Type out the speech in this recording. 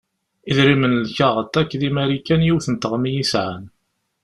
Idrimen n lkaɣeḍ akk di Marikan yiwet n teɣmi i sεan.